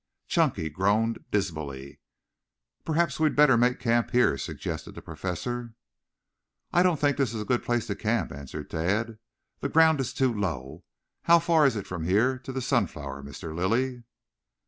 Chunky groaned dismally. "Perhaps we had better make camp here," suggested the Professor. "I don't think this is a good place to camp," answered Tad. "The ground is too low. How far is it from here to the Sunflower, Mr. Lilly?"